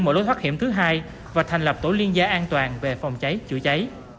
mở lối thoát hiểm thứ hai và thành lập tổ liên gia an toàn về phòng cháy chữa cháy